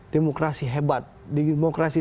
demokrasi hebat demokrasi